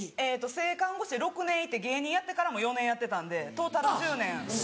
正看護師で６年いて芸人やってからも４年やってたんでトータル１０年。